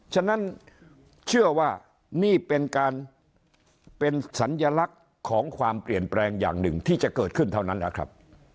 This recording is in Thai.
ฉะนั้นเชื่อว่านี่เป็นการเป็นสัญลักษณ์ของความเปลี่ยนแปลงอย่างหนึ่งที่จะเกิดขึ้นเท่านั้นแหละครับ